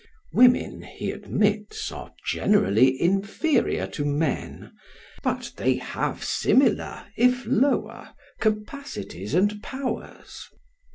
Women, he admits, are generally inferior to men, but they have similar, if lower, capacities and powers.